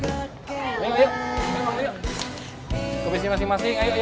maybe doe ya lupanya